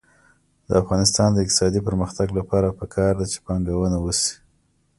د افغانستان د اقتصادي پرمختګ لپاره پکار ده چې پانګونه وشي.